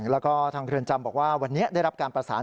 แล้วก็ทางเรือนจำบอกว่าวันนี้ได้รับการประสาน